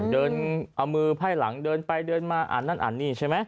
เดินเอามือไพ่หลังเดินไปเดินมาอ่านนั่นอ่านนี่ใช่ไหม